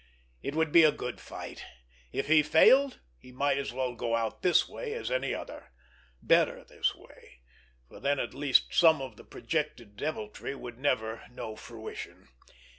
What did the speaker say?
It would be a good fight! If he failed, he might as well go out this way as any other—better this way, for then at least some of the projected deviltry would never know fruition.